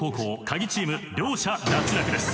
カギチーム両者脱落です。